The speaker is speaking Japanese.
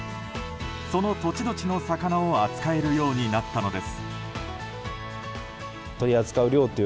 その土地土地の魚を扱えるようになったのです。